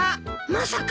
まさか？